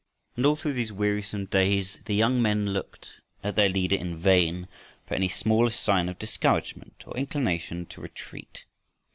And all through those wearisome days the young men looked at their leader in vain for any smallest sign of discouragement or inclination to retreat.